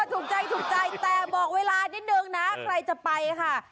ถูกใจถูกใจแต่บอกเวลานิดนึงนะใครจะไปค่ะ